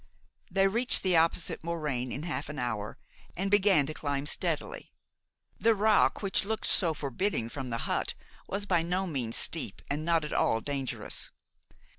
They reached the opposite moraine in half an hour, and began to climb steadily. The rock which looked so forbidding from the hut was by no means steep and not at all dangerous.